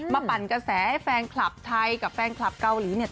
ปั่นกระแสให้แฟนคลับไทยกับแฟนคลับเกาหลีเนี่ย